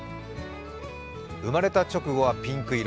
生まれた直後はピンク色。